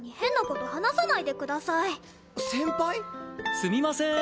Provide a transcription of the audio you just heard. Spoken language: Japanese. すみませーん！